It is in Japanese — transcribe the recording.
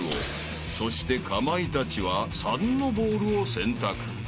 ［そしてかまいたちは３のボールを選択］